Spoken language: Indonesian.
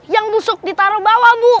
yang busuk ditaruh bawa bu